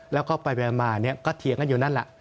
แล้วก็ไปมาก็เถียงกันอยู่นั่นแหละ